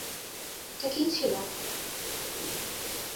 এটা কি ছিল?